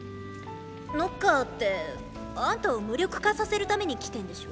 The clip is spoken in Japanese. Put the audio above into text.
ノッカーってあんたを無力化させるために来てんでしょ？